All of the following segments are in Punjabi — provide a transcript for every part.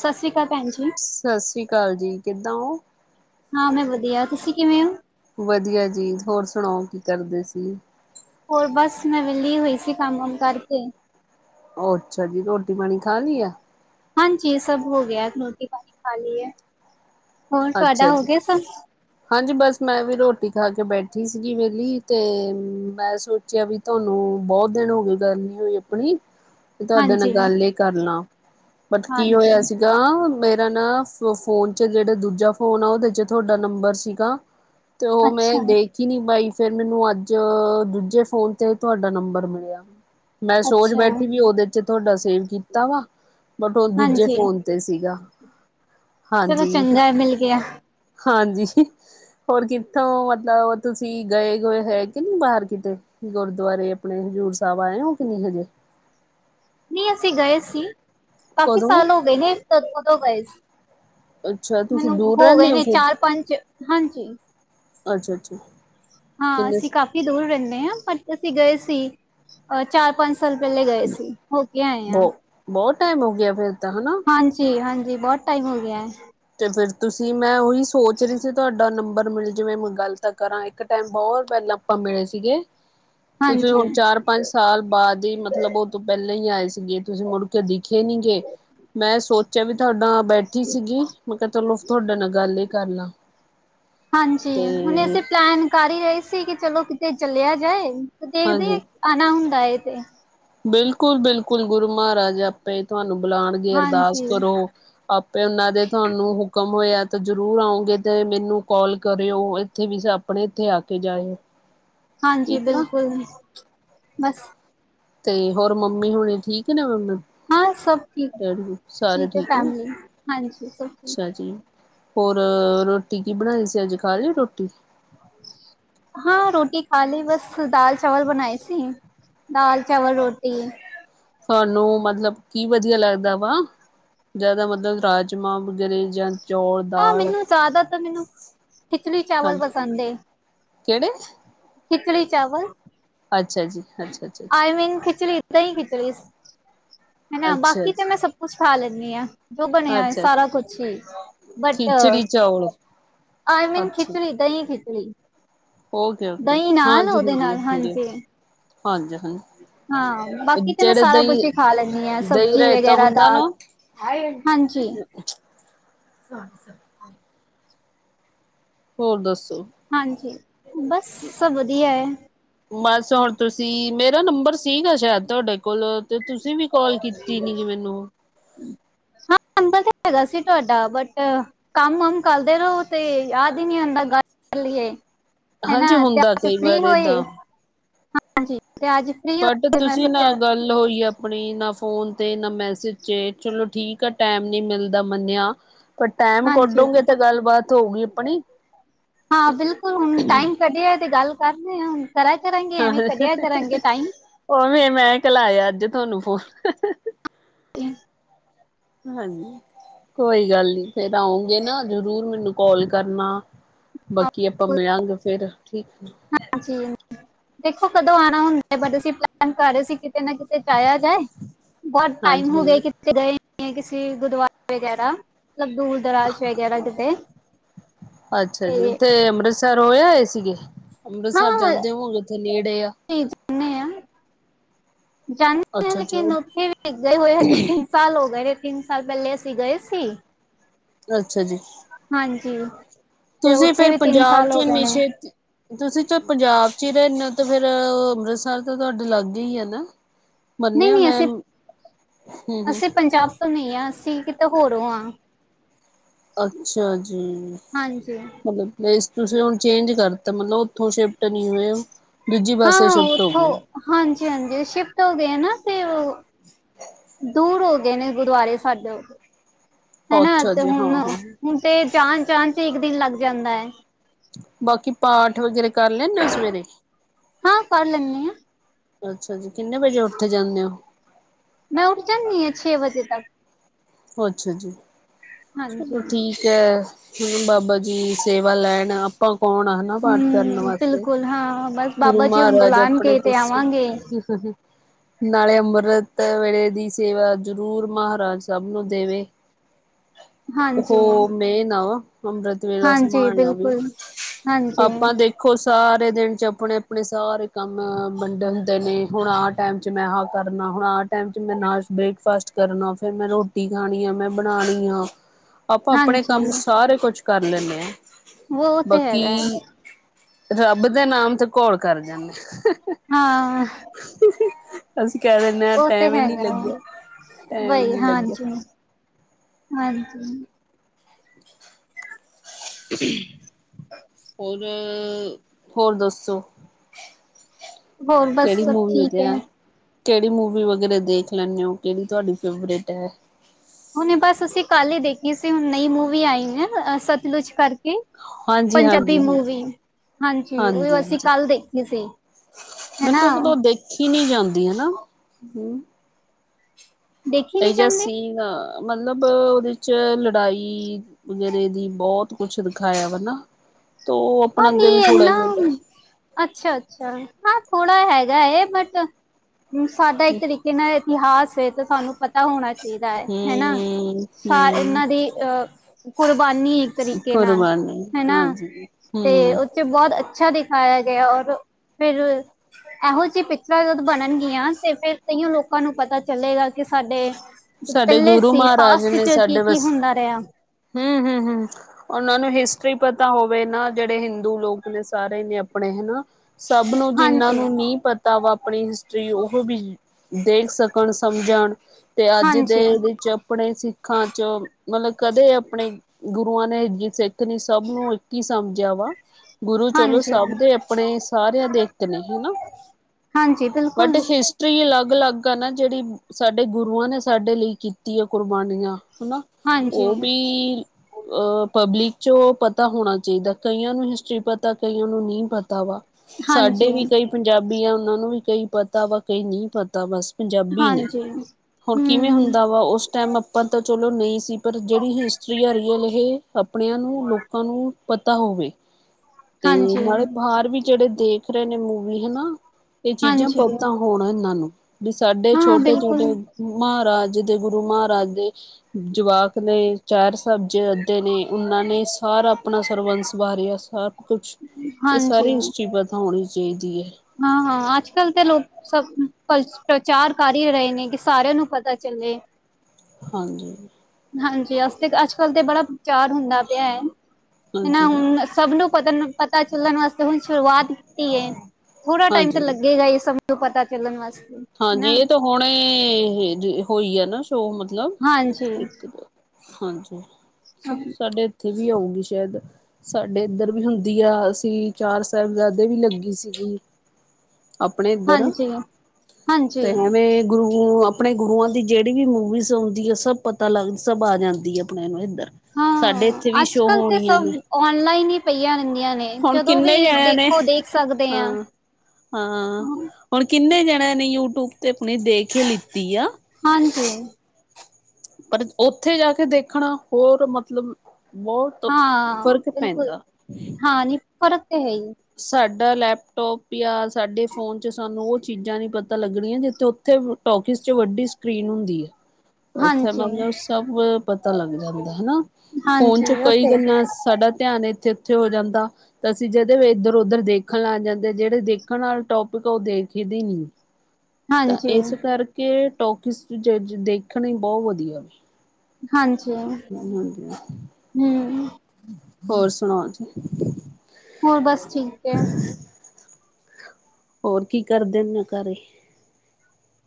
ਸਤਿ ਸ਼੍ਰੀ ਅਕਾਲ ਭੈਣ ਜੀ। ਸਤਿ ਸ੍ਰੀ ਅਕਾਲ ਜੀ ਕਿੱਦਾਂ ਹੋ? ਹਾਂ ਮੈ ਵਧੀਆ, ਤੁਸੀ ਕਿਵੇ ਹੋ? ਵਧੀਆ ਜੀ ਹੋਰ ਸੁਣਾਓ ਕੀ ਕਰਦੇ ਸੀ? ਹੋਰ ਬਸ, ਮੈਂ ਵਿਹਲੀ ਹੋਈ ਸੀ ਕੰਮ ਵਮ ਕਰਕੇ। [inaudible] ਅੱਛਾ ਜੀ ਰੋਟੀ ਪਾਣੀ ਖਾ ਲਈ ਆ? ਹਾਂਜੀ ਸਭ ਹੋ ਗਿਆ, ਰੋਟੀ ਪਾਣੀ ਖਾ ਲਈ ਹੈ। ਹੋਰ ਅੱਛਾ ਤੁਹਾਡਾ ਹੋ ਜੀ। ਗਿਆ ਸਭ? ਹਾਂਜੀ, ਬਸ ਮੈ ਵੀ ਰੋਟੀ ਖਾ ਕੇ ਬੈਠੀ ਸੀਗੀ ਵੇਹਲੀ ਤੇ ਮੈ ਸੋ ਸੋਚਿਆ ਵੀ ਤੁਹਾਨੂੰ ਬਹੁਤ ਦਿਨ ਹੋ ਗਏ [unintelligible] ਆਪਣੀ ਤੇ ਤੁਹਾਡੇ ਨਾਲ ਹਾਂਜੀ, ਗੱਲ ਈ ਕਰ ਲਾ। ਬਟ ਕੀ ਹੋਇਆ ਹਾਂਜੀ, ਸੀ। ਮੇਰਾ ਨਾ ਫ ਫੋਨ ਚ ਜਿਹੜੇ ਦੂਜ ਫੋਨ ਆ ਉਹਦੇ ਚ ਤੁਹਾਡਾ ਨੰਬਰ ਸੀਗਾ ਤੇ ਉਹ ਮੈਂ ਅੱਛਾ, ਦੇਖ ਕੀ ਨੀ ਬਾਈ ਫੇਰ ਮੈਨੂੰ ਅੱਜ ਦੂਜੇ ਫੋਨ ਤੇ ਤੁਹਾਡਾ ਨੰਬਰ ਮਿਲਿਆ। ਮੈਂ ਸੋਚ ਅੱਛਾ, ਬੈਠੀ ਵੀ ਉਹਦੇ ਚ ਤੁਹਾਡਾ ਸੇਵ ਕੀਤਾ ਵਾ, ਬਟ ਉਹ ਦੂਜੇ ਹਾਂਜੀ। ਫੋਨ ਤੇ ਸੀਗਾ ਚਲੋ ਹਾਂਜੀ। ਚੰਗਾ ਹੈ ਮਿਲ ਗਿਆ। ਹਾਂਜੀ [inaudible] ਹੋਰ ਕਿੱਥੋਂ? ਮਤਲਬ ਤੁਸੀਂ ਗਏ ਗਏ ਹੈਗੇ ਨੀ ਬਾਹਰ ਕਿਤੇ? ਗੁਰਦੁਆਰੇ ਆਪਣੇ ਹਜ਼ੂਰ ਸਾਹਿਬ ਆਏ ਹੋ ਕਿੰਨੀ ਹਜੇ? ਨੀ ਅਸੀਂ ਗਏ ਸੀ। ਕਾਫੀ ਕਦੋਂ ਸਾਲ ਹੋ ਗਏ ਨੇ ਕਦੋਂ ਗਏ ਸੀ। ਅੱਛਾ ਤੁਸੀਂ ਮੈਨੂੰ ਦੂਰ ਹੋ ਗਏ ਰਹਿੰਦੇ ਨੇ ਫਿਰ ਚਾਰ ਪੰਜ ਹਾਂਜੀ। ਅੱਛਾ ਅੱਛਾ। ਹਾਂ ਕਿੰਨੇ ਅਸੀਂ ਕਾਫ਼ੀ ਦੂਰ ਰਹਿੰਨੇ ਹਾਂ। ਪਰ ਅਸੀਂ ਗਏ ਸੀ ਅ ਚਾਰ ਪੰਜ ਸਾਲ ਪਹਿਲੇ ਗਏ ਸੀ ਹੋ ਕੇ ਆਏ ਆ। ਬਹੁ ਬਹੁਤ ਟਾਈਮ ਹੋ ਗਿਆ ਫੇਿਰ ਤਾਂ ਹਨਾ? ਹਾਂਜੀ-ਹਾਂਜੀ, ਬਹੁਤ ਟਾਈਮ ਹੋ ਗਿਆ ਹੈ। ਤੇ ਫੇਿਰ ਤੁਸੀਂ ਮੈਂ ਉਹੀ ਸੋਚ ਰਹੀ ਸੀ ਤੁਹਾਡਾ ਨੰਬਰ ਮਿਲ ਜਵੇਂ ਮੈਨੂੰ ਗਲ ਕਰਾਂ ਇੱਕ ਟਾਈਮ ਬਹੁਤ ਪਹਿਲਾਂ ਆਪਾਂ ਮਿਲੇ ਸੀਗੇ। ਤੁਸੀਂ ਹਾਂਜੀ ਹੁਣ ਚਾਰ ਪੰਜ ਸਾਲ ਬਾਅਦ ਹੀ ਮਤਲਬ ਉਹ ਤੋਂ ਪਹਿਲਾਂ ਹੀ ਆਏ ਸੀਗੇ ਤੁਸੀਂ ਮੁੜ ਕੇ ਦਿਖੇ ਨੀ ਗੇ ਮੈ ਸੋਚਿਆ ਵੀ ਤੁਹਾਡਾ ਬੈਠੀ ਸੀਗੀ। ਮੈ ਕਿਹਾ ਚਲ ਤੁਹਾਡੇ ਨਾਲ ਗੱਲ ਹੀ ਕਰ ਲਾਂ। ਹਾਂਜੀ ਤੇ ਹੁਨੇ ਅਸੀਂ ਪਲੈਨ। ਕਰ ਈ ਰਹੇ ਸੀ, ਕਿ ਚਲੋ ਕਿਤੇ ਚੱਲਿਆ ਜਾਏ। ਦੇਖਦੇ ਹਾਂਜੀ ਆਉਣਾ ਹੁੰਦਾ ਹੈ ਤੇ। ਬਿਲਕੁਲ-ਬਿਲਕੁਲ, ਗੁਰੂ ਮਹਾਰਾਜ ਆਪੇ ਤੁਹਾਨੂੰ ਬੁਲਾਉਣਗੇ, ਅਰਦਾਸ ਹਾਂਜੀ ਕਰੋ। ਆਪੇ ਉਹਨਾਂ ਦੇ ਤੁਹਾਨੂੰ ਹੁਕਮ ਹੋਏਆ ਤਾਂ ਜ਼ਰੂਰ ਆਉਗੇ ਤੇ ਮੈਨੂੰ ਕਾਲ ਕਰਿਓ ਇੱਥੇ ਵੀ। ਆਪਣੇ ਇਥੇ ਆ ਕੇ ਜਾਇਉ। ਹਾਂਜੀ ਬਿਲਕੁਲ ਜੀ ਬਸ। ਤੇ ਹੋਰ ਮੰਮੀ ਹੁਣੇ ਠੀਕ ਨੇ? ਮੰ ਹਾਂ ਸਭ ਠੀਕ ਹੈ ਡੈੜੀ ਸਾਰੇ ਹੈ ਠੀਕ ਨੇ? ਫੈਮਲੀ ਹਾਂਜੀ ਸਭ ਠੀਕ ਅੱਛਾ ਜੀ, ਹੋਰ ਰੋਟੀ ਕੀ ਬਣਾਈ ਸੀ। ਅੱਜ ਖਾ ਲਈ ਰੋਟੀ? ਹਾਂ ਰੋਟੀ ਖਾ ਲਈ ਬਸ, ਦਾਲ ਚਾਵਲ ਬਣਾਈ ਸੀ। ਦਾਲ ਚਾਵਲ ਰੋਟੀ। ਤੁਹਾਨੂੰ ਮਤਲਬ ਕੀ ਵਧੀਆ ਲੱਗਦਾ ਵਾ? ਜਿਆਦਾ ਮਤਲਬ ਰਾਜਮਾਹ ਵਗੈਰੇ ਜਾਂ? ਚੌਲ ਆਹ ਦਾਲ ਮੈਨੂੰ ਜ਼ਿਆਦਾਤਰ ਤਾ ਮੈਨੂੰ ਖਿਚਲੀ ਚਾਵਲ ਹਾਂਜੀ ਪਸੰਦ ਏ। ਕਿਹੜੇ? ਖਿਚਲੀ ਚਾਵਲ। ਅੱਛਾ ਜੀ, ਅੱਛਾ ਜੀ। ਆਈ ਮੀਨ ਖਿੱਚੜ, ਦਾਹੀ ਖਿੱਚੜੀ। ਹਨਾ ਅੱਛਾ ਬਾਕੀ ਤੇ ਜੀ ਮੈਂ ਸਭ ਕੁਛ ਖਾ ਲੈਂਨੀ ਹਾਂ। ਜੋ ਬਣਿਆ ਹੈ ਅੱਛਾ ਸਾਰਾ ਕੁਛ ਹੀ। ਬਟ ਖਿਚੜੀ ਚੌਲ। ਆਈ ਮੀਨ ਖਿਚੜੀ, ਦਹੀਂ ਖਿਚੜੀ। ਓਕੇ-ਓਕੇ, ਦਹੀਂ ਨਾਲ ਹਾਂਜੀ ਉਹਦੇ ਹੁੰਦੀ ਆ ਨਾਲ ਹੁੰਦੀ, ਹਾਂਜੀ ਹਾਂਜੀ ਹਾਂ ਹਾਂਜੀ। ਬਾਕੀ ਤੇ ਮੈਂ ਜਿਹੜੇ ਸਾਰਾ ਕੁਛ ਹੀ ਖਾ ਲੈਂਦੀ ਹਾਂ ਦਹੀਂ- ਦਹੀਂ ਸਬਜ਼ੀ ਰਹੇਤਾ ਵਗੈਰਾ ਹੁੰਦਾ ਦਾਲ ਨਾ। ਸਾਰੇ ਹਾਂਜੀ ਸਾ ਹੋਰ ਦੱਸੋ ਹਾਂਜੀ, ਬਸ ਸਭ ਵਧੀਆ ਹੈ ਬਸ ਹੁਣ ਤੁਸੀਂ, ਮੇਰਾ ਨੰਬਰ ਸੀਗਾ ਸ਼ਾਇਦ ਤੁਹਾਡੇ ਕੋਲ ਤੇ ਤੁਸੀਂ ਵੀ ਕਾਲ ਕੀਤੀ ਨੀ ਮੈਨੂੰ ਹਾਂ ਨੰਬਰ ਹੈਗਾ ਸੀ ਤੁਹਾਡਾ ਬਟ ਕੰਮ ਵਮ ਕਰਦੇ ਰਹੋ ਤੇ। ਨ ਹੁੰਦਾ ਗੱਲ ਕਰ ਲਈਏ, ਹਾਂਜੀ ਹਨਾ ਤੇ ਹੁੰਦਾ ਅ ਕਈ ਫ੍ਰਰੀ ਵਾਰ ਹੋਏ ਏਦਾਂ ਹਾਂਜੀ, ਤੇ ਅੱਜ ਫ੍ਰਰੀ ਹੋਏ ਬਟ, ਤੇ ਮੈਂ ਤੁਸੀ ਨਾ ਸੋਚਿਆ ਗੱਲ- ਹੋਈ ਆਪਣੀ ਨਾ ਫੋਨ ਤੇ ਨਾ ਮੈਸੇਜ 'ਚ ਚਲੋ ਠੀਕ ਆ ਟਾਈਮ ਨੀ ਮਿਲਦਾ ਮੰਨਿਆ ਪਰ ਟੈਮ ਹਾਂਜੀ ਕੱਢੋਗੇ ਤਾਂ ਗੱਲਬਾਤ ਹੋਊਗੀ ਆਪਣੀ। ਹਾਂ ਬਿਲਕੁਲ ਹੁਣ ਟਾਈਮ ਕੱਢਿਆ, ਤੇ ਗੱਲ ਕਰ ਲਈ ਹੁਣ ਕਰਾ ਕਰਾਂਗੇ ਐਵੇਂ, ਕਢਿਆ ਕਰਾਂਗੇ ਟਾਈਮ ਉਹਵੇਂ ਮੈਂ ਘਲਾਇਆ ਅੱਜ ਤੁਹਾਨੂੰ ਫੋਨ ਤੇ ਹਾਂਜੀ, ਕੋਈ ਗੱਲ ਨੀ ਫੇਰ ਆਉਂਗੇ ਨਾ ਜਰੂਰ ਮੈਨੂੰ ਕੋਲ ਕਰਨਾ ਬਾਕੀ ਆਪਾਂ ਮਿਲਾਂਗੇ ਫੇਰ ਠੀਕ। ਹਾਂਜੀ, ਦੇਖੋ ਕਦੋਂ ਆਉਣਾ ਹੁੰਦਾ ਬ ਅਸੀਂ ਕੋਲ ਕਰ ਰਹੇ ਸੀ ਕਿਤੇ ਨਾ ਕਿਤੇ ਜਾਇਆ ਜਾਏ ਬਹੁਤ ਟਾਈਮ ਹੋ ਗਏ ਹਾਂਜੀ-ਹਾਂਜੀ। ਕਿਤੇ ਕਿ ਨਹੀਂ ਕਿਸੇ ਗੁਰਦੁਆਰੇ ਵਗੈਰਾ, ਮਤਲਬ ਦੂਰ ਦਰਾਜ ਵਗੈਰਾ ਕਿਤੇ ਅਛਾ ਜੀ, ਤੇ ਅੰਮ੍ਰਿਤਸ- ਸਰ ਰੋਏ ਹੋਏ ਸੀਗੇ, ਅੰਮ੍ਰਿਤਸਰ ਜਾਂਦੇ ਹੋਗੇ ਉੱਥੇ ਨੇੜੇ ਆ ਸੀ ਜਾਂਦੇ ਹਾਂ, ਜਾਂਦੇ ਹਾਂ ਅੱਛਾ-ਅੱਛਾ, ਲੇਕਿਨ ਉੱਥੇ ਵੀ ਗਏ ਹੋਏ ਹੈਗੇ ਤਿੰਨ ਸਾਲ ਹੋ ਗਏ, ਤਿੰਨ ਸਾਲ ਪਹਿਲੇ ਅਸੀ ਗਏ ਸੀ ਅੱਛਾ ਜੀ ਹਾਂਜੀ ਤੇ ਤੁਸੀ ਉੱਥੇ ਫਿਰ ਵੀ ਪੰਜਾਬ ਸਾਲ ਹੋ 'ਚ ਗਏ ਨੇ ਨਸ਼ੇ- ਤੁਸੀ 'ਚ ਪੰਜਾਬ 'ਚ ਹੀ ਰਹਿੰਦੇ ਹੋ ਤਾਂ ਫੇਰ, ਅੰਮ੍ਰਿਤਸਰ ਤਾਂ ਤੁਹਾਡੇ ਲਾਗੇ ਹੀ ਹੈ ਨਾ- ਨਹੀਂ ਮੰਨਿਆ ਨਹੀਂ ਮੈਂ ਅਸੀਂ ਹਮ, ਹਮ ਅਸੀਂ ਪੰਜਾਬ ਨਹੀਂ ਆ, ਅਸੀਂ ਕਿਤੇ ਹੋਰੋਂ ਹਾਂ ਅਛਾ ਜੀ- ਹਾਂਜੀ ਮਤਲਬ ਪ੍ਲੇਸ ਤੁਸੀਂ ਹੁਣ ਚੇਂਜ ਕਰਤਾ ਮਤਲਬ ਉੱਥੋਂ ਸ਼ਿਫਟ ਨਹੀਂ ਹੋਏ। ਦੂਜੇ ਹਾਂ ਪਾਸੇ ਹਾਂ ਸਿਫਟ ਹੋ ਉੱਥੋਂ ਗਈ ਹਾਂਜੀ- ਹਾਂਜੀ ਸ਼ਿਫਟ ਹੋ ਗਏ ਨਾ ਫਿਰ, ਦੂਰ ਹੋ ਗਏ ਗਏ ਨੇ ਗੁਰਦੁਆਰੇ ਸਾਡੇ, ਹਨਾ ਅੱਛਾ ਤੇ ਜੀ ਹਾਂ ਹੁਣ, ਹਾਂ। ਹੁਣ ਤੇ ਜਾਣ ਜਾਣ 'ਚ ਇਕ ਦਿਨ ਲੱਗ ਜਾਦਾ ਹੈ। ਬਾਕੀ ਪਾਠ ਵਗੈਰਾ ਕਰ ਲੈਂਦੇ ਸਵੇਰੇ ਹਾਂ ਕਰ ਲੈਂਦੀ ਨ ਅੱਛਾ ਜੀ, ਕਿੰਨੇ ਵਜੇ ਉੱਠ ਜਾਂਦੇ ਹੋ ਮੈਂ ਉੱਠ ਜਾਂਦੀ ਹਾਂ, ਛੇ ਵਜੇ ਤੱਕ ਅੱਛਾ ਜੀ। ਹਾਂਜੀ ਚਲੋ ਠੀਕ ਹੈ। ਬਾਬਾ ਜੀ ਸੇਵਾ ਲੈਣ, ਆਪਾਂ ਕੌਣ ਹਨਾ- ਪਾਠ ਕਰਨ ਹਮ ਵਾਸਤੇ, ਬਿਲਕੁਲ ਹਾਂ ਬਸ ਬਾਬਾ ਗੁਰੂ ਜੀ ਹੁਣ ਮਹਾਰਾਜ ਆਪਣੇ ਬੁਲਾਉਣਗੇ ਤੇ ਦੱਸੇ- ਆਵਾਂਗੇ ਨਾਲੇ ਅੰਮ੍ਰਿਤ ਵੇਲੇ ਦੀ ਸੇਵਾ ਜ਼ਰੂਰ ਮਹਾਰਾਜ ਸਾਹਿਬ ਨੂੰ ਦੇਵੇ। ਹਾਂਜੀ ਉਹ ਮੇਨ ਵਾ ਅੰਮ੍ਰਿਤ ਵੇਲਾ ਹਾਂਜੀ ਸੰਭਾਲਿਆ ਵੀ, ਬਿਲਕੁਲ ਹਾਂਜੀ ਆਪਾਂ ਦੇਖ- ਦੇਖੋ ਸਾਰੇ ਦਿਨ 'ਚ ਆਪਣੇ -ਆਪਣੇ ਸਾਰੇ ਕੰਮ ਵੰਡੇ ਹੁੰਦੇ ਨੇ, ਹੁਣ ਆਹ ਟਾਈਮ 'ਚ ਮੈ - ਕਰਨਾ, ਹੁਣ ਆਹ ਟਾਈਮ 'ਚ ਮੈਂ ਨਾਸ਼ ਬ੍ਰੇਕਫਾਸਟ ਕਰਨਾ, ਫਿਰ ਮੈਂ ਰੋਟੀ ਖਾਣੀ ਆ, ਮੈਂ ਬਣਾਉਣੀ ਆ ਆਪਾਂ ਆਪਣੇ ਹਾਂਜੀ ਕੰਮ ਸਾਰੇ ਕੁਛ ਕਰ ਲੈਂਨੇ ਆ, ਉਹ ਤੇ ਹੈਗਾ ਹੈ ਬਾਕੀ ਰੱਬ ਦੇ ਨਾਮ ਤੇ ਘੋਲ ਕਰ ਜਾਂਦੇ। ਹਾਂ। ਅਸੀਂ ਕਹਿ ਦਿੰਨੇ ਆ ਉਹ ਤੇ ਟਾਈਮ ਹੀ ਨੀ ਹੈਗਾ, ਲੱਗਿਆ ਟਾਈਮ ਹੀ ਹੈ ਨੀ ਲੱਗਿਆ ਹਾਂਜੀ, ਹਾਂਜੀ। [inaudible] ਹੋਰਅ, ਹੋਰ ਦੱਸੋ ਹੋਰ ਬਸ ਕਿਹੜੀ ਸਭ ਮੂਵੀ ਠੀਕ ਵਧੀਆ? ਹੈ ਕਿਹੜੀ ਮੂਵੀ ਵਗੈਰਾ ਦੇਖ ਲੈਂਦੇ ਹੋ, ਕਿਹੜੀ ਤੁਹਾਡੀ ਫੇਵਰੇਟ ਹੈ। ਹੁਣ ਬਸ ਅਸੀਂ ਕੱਲ ਹੀ ਦੇਖੀ ਸੀ, ਹੁਣ ਨਈ ਮੂਵੀ ਆਈ ਹੈ ਸਤਲੁਜ ਕਰਕੇ। ਪੰਜਾਬੀ ਹਾਂਜੀ-ਹਾਂਜੀ-ਹਾਂਜੀ ਮੂਵੀ। ਹਾਂਜੀ, ਉਹ ਅਸੀਂ ਕੱਲ ਦੇਖੀ ਸੀ, ਮੈਨੂੰ ਹੈਨਾ। ਲੱਗਦਾ ਉਹ ਦੇਖੀ ਨੀ ਜਾਂਦੀ ਹੈਨਾ ਹੂੰ। ਦੇਖੀ ਨੀ ਇਹਜਾ ਜਾਂਦੇ ਸੀਨ, ਮਤਲਬ ਉਹਦੇ 'ਚ ਲੜਾਈ ਰੇਦੀ ਬਹੁਤ ਕੁਛ ਦਿਖਾਇਆ ਵਾ ਨਾ, ਤੋਂ ਹਾਂ ਆਪਣਾ ਦਿਲ ਨਹੀਂ ਥੋੜਾ ਇਨਾ ਜਿਹਾ। ਅੱਛਾ ਅੱਛਾ ਹਾਂ ਥੋੜਾ ਹੈਗਾ ਹੈ ਬਟ, ਸਾਡਾ ਇੱਕ ਤਰੀਕੇ ਨਾਲ ਇਤਿਹਾਸ ਏ ਤੇ ਸਾਨੂੰ ਪਤਾ ਹੋਣਾ ਚਾਈਦਾ ਐ ਹੈਨਾ। ਹਮ ਸਾਰੇ ਹਮ ਇਹਨਾਂ ਦੀ ਅਹ ਕੁਰਬਾਨੀ ਇੱਕ ਤਰੀਕੇ ਨਾਲ, ਕੁਰਬਾਨੀ ਹਨਾ। ਹਾਂਜੀ ਤੇ ਹਮ ਉਹ ਚ ਬਹੁਤ ਅੱਛਾ ਦਿਖਾਇਆ ਗਿਆ ਔਰ ਫਿਰ ਇਹੋ ਜੀ ਪਿਚਰਾਂ ਜਦ ਬਣਨਗੀਆਂ 'ਤੇ ਫਿਰ ਤਾਂਈਓ ਲੋਕਾਂ ਨੂੰ ਪਤਾ ਚਲੇਗਾ ਕਿ ਸਾਡੇ ਸਾਡੇ ਪਹਿਲੇ ਗੁਰੂ ਸੀ ਮਹਾਰਾਜ ਪਾਸਟ ਚ ਕੀ-ਕੀ ਹੁੰਦਾ ਰਿਹਾ। ਹਮ ਹਮ ਹਮ। ਉਹਨਾਂ ਨੂੰ ਹਿਸਟਰੀ ਪਤਾ ਹੋਵੇ ਨਾ ਜਿਹੜੇ ਹਿੰਦੂ ਲੋਕ ਨੇ ਸਾਰੇ ਨੇ ਆਪਣੇ ਹਨਾ। ਸਭ ਨੂੰ ਜਿਨਾਂ ਹਾਂਜੀ ਨੂੰ ਨੀ ਪਤਾ ਤਬ ਆਪਣੀ ਹਿਸਟਰੀ ਉਹ ਵੀ ਦੇਖ ਸਕਣ ਸਮਝਣ। ਤੇ ਅੱਜ ਦੇ ਹਾਂਜੀ ਆਪਣੇ ਸਿੱਖਾਂ 'ਚ ਮਤਲਬ ਕਦੇ ਆਪਣੇ ਗੁਰੂਆਂ ਨੇ ਸਿੱਖ ਨੇ ਸਭ ਨੂੰ ਇੱਕ ਹੀ ਸਮਝਿਆ ਵਾ। ਗੁਰੂ ਚਲੋ ਹਾਂਜੀ ਸਭ ਦੇ ਆਪਣੇ ਸਾਰਿਆਂ ਦੇ ਇੱਕ ਨੇ ਹੈਨਾ। ਹਾਂਜੀ, ਬਿਲਕੁੱਲ। ਤੇ ਅਲੱਗ-ਅਲੱਗ ਆ ਨਾ ਜਿਹੜੀ, ਸਾਡੇ ਗੁਰੂਆਂ ਨੇ ਸਾਡੇ ਲਈ ਕੀਤੀ ਆ ਕੁਰਬਾਨੀਆਂ ਹਨਾ। ਹਾਂਜੀ ਉਹ ਵੀ ਅ ਪਬਲਿਕ ਚੋਂ ਪਤਾ ਹੋਣਾ ਚਾਹੀਦਾ ਕਈਆਂ ਨੂੰ ਹਿਸਟਰੀ ਪਤਾ ਕਈਆਂ ਨੂੰ ਨਹੀਂ ਪਤਾ ਵਾ ਸਾਡੇ ਹਾਂਜੀ ਵੀ ਕਈ ਪੰਜਾਬੀ ਆ ਉਹਨਾਂ ਨੂੰ ਵੀ ਕਈ ਪਤਾ ਵਾ ਕਈ ਨਹੀਂ ਪਤਾ ਬਸ ਹਾਂਜੀ। ਹੋਰ ਕਿਵੇਂ ਹਮ ਹੁੰਦਾ ਵਾ ਉਸ ਟਾਈਮ ਆਪਾਂ ਤਾਂ ਚਲੋ ਨਹੀਂ ਸੀ ਪਰ ਜਿਹੜੀ ਹਿਸਟਰੀ ਆ ਰੀਅਲ, ਇਹ ਆਪਣਿਆਂ ਨੂੰ ਲੋਕਾਂ ਨੂੰ ਪਤਾ ਹੋਵੇ। ਹਮ। ਤੇ ਹਾਂਜੀ ਨਾਲੇ ਬਾਹਰ ਵੀ ਜਿਹੜੇ ਦੇਖ ਰਹੇ ਨੇ ਮੂਵੀ ਹਨਾ, ਇਹ ਚੀਜ਼ਾਂ ਹਾਂਜੀ ਬਤਾਂ ਹੋਣਾ ਇਹਨਾਂ ਨੂੰ ਵੀ ਸਾਡੇ ਹਾਂ ਛੋਟੇ-ਛੋਟੇ ਬਿਲਕੁਲ ਮਹਾਰਾਜ ਦੇ ਗੁਰੂ ਮਹਾਰਾਜ ਦੇ ਜਵਾਕ ਨੇ ਚਾਰ ਸਾਬ 'ਨਹੀਂ-ਨਹੀਂ, ਉਹਨਾਂ ਨੇ ਸਾਰਾ ਆਪਣਾ ਸਰਵੰਸ ਵਾਰਿਆ ਸਭ ਕੁਛ। ਇਹ ਹਾਂਜੀ ਸਾਰੀ ਹਿਸਟਰੀ ਪਤਾ ਹੋਣੀ ਚਾਹੀਦੀ ਹੈ। ਹਾਂ ਹਾਂ ਅੱਜ ਕੱਲ੍ਹ ਤਾਂ ਲੋਕ ਸਭ ਪ੍ਰਚਾਰ ਕਰ ਹੀ ਰਹੇ ਨੇ ਕਿ ਸਾਰਿਆਂ ਨੂੰ ਪਤਾ ਚੱਲੇ। ਹਾਂਜੀ। ਹਾਂਜੀ ਅ ਤੇ ਅੱਜ ਕਲ ਤੇ ਬੜਾ ਪ੍ਰਚਾਰ ਹੁੰਦਾ ਪਿਆ ਹੈ, ਹਨਾ ਹਾਂਜੀ ਹੁਣ ਸਭ ਨੂੰ ਪਤਾ ਨ ਪਤਾ ਚੱਲਣ ਵਾਸਤੇ ਹੁਣ ਸ਼ੁਰੂਆਤ ਕੀਤੀ ਏ ਥੋੜਾ ਟਾਈਮ ਤਾਂ ਹਾਂਜੀ ਹਾਂਜੀ ਲੱਗੇਗਾ ਈ ਸਭ ਨੂੰ ਪਤਾ ਚੱਲਣ ਵਾਸਤੇ। ਹਾਂਜੀ ਹਨਾ ਇਹ ਤਾਂ ਹੁਣੇ ਹੋਈ ਆ ਨਾ, ਸ਼ੋਅ ਮਤਲਬ ਹਾਂਜੀ। ਇੱਕ ਦੋ ਹਾਂਜੀ, ਸਾਡੇ ਇੱਥੇ ਵੀ ਆਊਗੀ ਸ਼ਾਇਦ। ਸਾਡੇ ਇੱਧਰ ਵੀ ਹੁੰਦੀ ਆ, ਅਸੀਂ ਚਾਰ ਸਾਹਿਬਜ਼ਾਦੇ ਵੀ ਲੱਗੀ ਸੀਗੀ‌ ਆਪਣੇ ਇੱਧਰ ਹਾਂਜੀ, ਹਾਂਜੀ ਤੇ ਐਵੇਂ ਗੁਰੂ ਆਪਣੇ ਗੁਰੂਆਂ ਦੀ ਜਿਹੜੀ ਵੀ ਮੂਵੀਜ਼ ਆਉਂਦੀ ਏ ਸਭ ਪਤਾ ਲੱਗ ਸਭ ਆ ਜਾਂਦੀ ਏ ਆਪਣੇ ਨੂੰ ਏਧਰ। ਹਾਂ ਅੱਜ ਕੱਲ ਤੇ ਸਭ ਔਨਲਾਈਨ ਹੀ ਪਈਆਂ ਰਹਿੰਦੀਆਂ ਨੇ, ਹੁਣ ਜਦੋਂ ਕਿੰਨੇ ਵੀ ਜਣਿਆਂ ਨੇ ਦੇਖੋ ਦੇਖ ਸਕਦੇ ਆ। ਹਾਂ ਹਾਂ, ਹੁਣ ਕਿੰਨੇ ਜਣਿਆਂ ਨੇ ਯੂਟਿਊਬ ਤੇ ਆਪਣੀ ਦੇਖ ਏ ਲਿੱਤੀ ਆ। ਹਾਂਜੀ। ਪਰ ਉੱਥੇ ਜਾ ਕੇ ਦੇਖਣਾ, ਹੋਰ ਮਤਲਬ ਬਹੁਤ ਹਾਂ, ਫ਼ਰਕ ਬਿਲਕੁੱਲ, ਪੈਂਦਾ ਹਾਂ ਨੀ ਫ਼ਰਕ ਤੇ ਹੈ ਈ। ਸਾਡਾ ਲੈਪਟੋਪ ਜਾਂ ਸਾਡੇ ਫੋਨ ਚ ਸਾਨੂੰ ਉਹ ਚੀਜ਼ਾਂ ਨ ਪਤਾ ਲੱਗਣੀਆਂ ਜਿੱਥੇ ਉੱਥੇ ਟੋਕੀਸ ਚ ਵੱਡੀ ਸਕਰੀਨ ਹੁੰਦੀ ਹੈ। ਉੱਥੇ ਹਾਂਜੀ, ਮਤਲਬ ਸਭ ਪਤਾ ਲੱਗ ਜਾਂਦਾ ਹੈਨਾ ਫੋਨ ਹਾਂਜੀ ਚੋਂ ਉਹ ਕਈ ਤੇ ਗੱਲਾਂ ਸਾਡਾ ਧਿਆਨ ਇੱਥੇ ਉੱਥੇ ਹੋ ਜਾਂਦਾ ਤੇ ਅਸੀਂ ਜਦ ਏਧਰ-ਉੱਧਰ ਦੇਖਣ ਲਗ ਜਾਂਦੇ, ਜਿਹੜੇ ਦੇਖਣ ਵਾਲੇ ਟੋਪਿਕ ਆ ਉਹ ਦੇਖ ਦੇ ਨੀ। ਤਾਂ ਹਾਂਜੀ, ਇਸ ਕਰਕੇ ਟੋਕੀਸ ਜਜ ਦੇਖਣੀ ਬਹੁਤ ਵਧੀਆ। ਹਾਂਜੀ ਵੇ। ਹਾਂਜੀ ਹੂੰ ਹੋਰ ਸੁਣਾ ਜੀ। ਹੋਰ ਬਸ ਠੀਕ ਹੈ। ਹੋਰ ਕੀ ਕਰਦੇ ਹੁੰਨੇ ਘਰੇ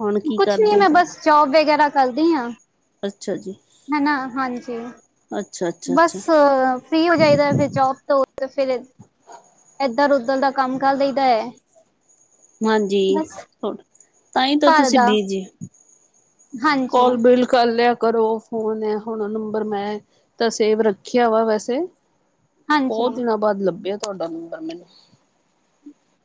ਹੁਣ ਕੀ ਕੁਛ ਨੀ ਕਰਦੇ ਹੋ? ਮੈਂ ਬਸ ਜੋੌਬ ਵਗੈਰਾ ਕਰਦੀ ਹਾਂ। ਅੱਛਾ ਜੀ ਹਨਾ ਹਾਂਜੀ, ਬਸ ਅੱਛਾ-ਅੱਛਾ-ਅੱਛਾ ਫ੍ਰੀ ਹੋ ਜਾਈਦਾ ਫਿਰ ਜੋਬ ਤੋਂ ਤੇ ਫਿਰ ਇੱਧਰ ਉੱਧਰ ਦਾ ਕੰਮ ਕਰ ਲਈਦਾ ਹੈ। ਹਾਂਜੀ ਤਾਂਹੀ ਤਾਂ ਘਰ ਤੁਸੀਂ ਦਾ ਬੀਜੀ, ਹਾਂਜੀ। ਕੋਲ ਬਿ ਕਰ ਲਿਆ ਕਰੋ ਫੋਨ ਹੈ ਹੁਣ ਨੰਬਰ ਮੈਂ ਤ ਸੇਵ ਰੱਖਿਆ ਵਾ ਵੈਸੇ, ਹਾਂਜੀ, ਬਹੁਤ ਦਿਨਾਂ ਬਾਅਦ ਲੱਭਿਆ ਤੁਹਾਡਾ ਨੰਬਰ ਮੈਨੂੰ।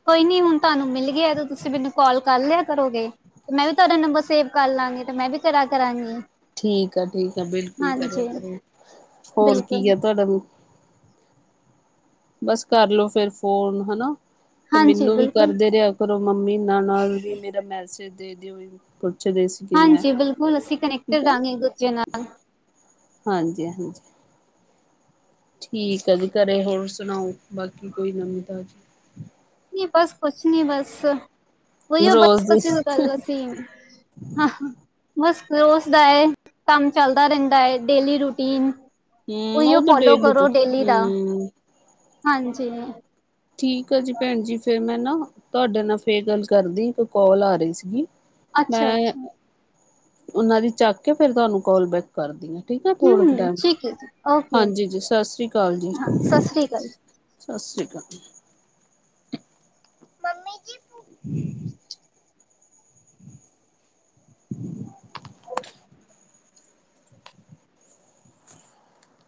ਕੋਈ ਨੀ ਹੁਣ ਤੁਹਾਨੂੰ ਮਿਲ ਗਿਆ ਤੇ ਤੁਸੀਂ ਮੈਨੂੰ ਕਾਲ ਕਰ ਲਿਆ ਕਰੋਗੇ। ਤੇ ਮੈਂ ਵੀ ਤੁਹਾਡਾ ਨੰਬਰ ਸੇਵ ਕਰ ਲਵਾਂਗੀ ਤੇ ਮੈਂ ਵੀ ਕਰਾਂ ਕਰਾਂਗੀ। ਠੀਕ ਆ ਠੀਕ ਆ ਬਿਲਕੁਲ ਕਰਿਆ ਹਾਂਜੀ ਕਰੋ ਹੋਰ ਕੀ ਬਿਲਕੁਲ। ਹੈ ਤੁਹਾਡਾ ਨੂੰ ਬਸ ਕਰਲੋ ਫੇਰ ਫੋਨ ਹੈਨਾ। ਤੇ ਹਾਂਜੀ ਮੈਨੂੰ ਵੀ ਬਿਲਕੁਲ, ਕਰਦੇ ਰਿਹਾ ਕਰੋ ਮੰਮੀ ਨਾਲ ਨਾਲ ਵੀ ਮੇਰਾ ਮੈਸੇਜ ਦੇ ਦਿਓ ਪੁੱਛਦੇ ਸੀ। ਹਾਂਜੀ ਬਿਲਕੁਲ, ਅਸੀਂ ਕਨੈਟਟਿੰਗ ਰਾਂਗੇ ਦੂਜੇ ਨਾਲ ਹਾਂਜੀ-ਹਾਂਜੀ। ਠੀਕ ਆ ਜੀ ਘਰੇ, ਹੋਰ ਸੁਣਾਓ ਬਾਕੀ ਕੋਈ ਨਵੀਂ ਤਾਜ਼ੀ। ਨੀ ਬਸ ਕੁਛ ਨੀ ਬਸ, ਉਹੀਓ ਰੋਜ਼ ਬਸਸੀ ਦੀ ਪਹਿਲਾ ਸੀ। ਹਾਂ ਬਸ ਰੋਜ਼ ਦਾ ਹੈ ਕੰਮ ਚੱਲਦਾ ਰਹਿੰਦਾ ਹੈ, ਡੇਲੀ ਰੂਟੀਨ ਹਮ ਉਹ ਉਈਓ ਤਾਂ ਫੋਲੋ ਡੇਲੀ ਤੇ ਕਰੋ ਡੇਲੀ ਦਾ, ਹਮ ਹਾਂਜੀ। ਠੀਕ ਆ ਜੀ ਭੈਣ ਜੀ ਫੇਿਰ ਮੈਂ ਨਾ ਤੁਹਾਡੇ ਨਾਲ ਫਿਰ ਗੱਲ ਕਰਦੀ, ਇੱਕ ਕੋਲ ਆ ਰਹੀ ਸੀਗੀ। ਅੱਛਾ ਮੈਂ ਅੱਛਾ। ਉਹਨਾਂ ਦੀ ਚੱਕ ਕੇ ਫਿਰ ਤੁਹਾਨੂੰ ਕੋਲ ਬੈਕ ਕਰਦੀ ਆ, ਠੀਕ ਏ ਹਮ ਥੋੜੇ ਕ ਹਮ ਟਾਈਮ। ਠੀਕ ਹੈ ਜੀ ਓਕੇ ਓਕੇ ਹਾਂਜੀ ਜੀ, ਸਾਸਰੀ ਕਾਲ ਜੀ‌। ਹਾਂ ਸ੍ਰੀ ਅਕਾਲ ਸਤਿ ਸ਼੍ਰੀ ਅਕਾਲ। ਮੰਮੀ ਜੀ